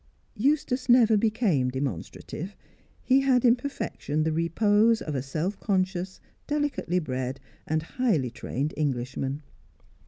Eustace never became demonstrative; he had in perfection the repose of a self conscious, delicately bred, and highly trained Englishman.